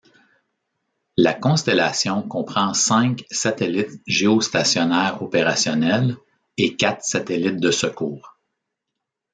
La constellation comprend cinq satellites géostationnaires opérationnels et quatre satellites de secours.